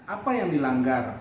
apa yang dilanggar